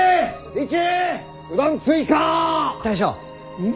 うん？